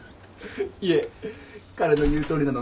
いえ彼の言うとおりなので。